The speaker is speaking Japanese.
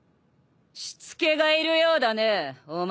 しつけがいるようだねお前は。